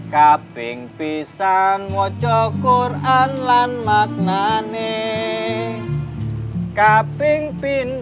hampir saja kita ketahuan